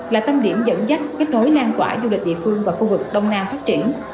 là tâm điểm dẫn dắt kết nối lan tỏa du lịch địa phương và khu vực đông nam phát triển